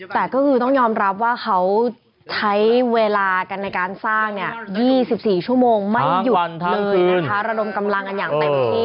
แต่ก็คือต้องยอมรับว่าเขาใช้เวลากันในการสร้างเนี่ย๒๔ชั่วโมงไม่หยุดเลยนะคะระดมกำลังกันอย่างเต็มที่